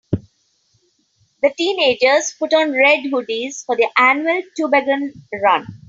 The teenagers put on red hoodies for their annual toboggan run.